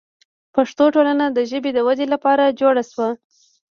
پښتو ټولنه د ژبې د ودې لپاره جوړه شوه.